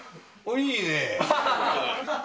いいねえ。